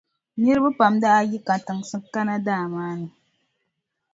Niriba pam daa yi katinsi n-kana daa maa ni,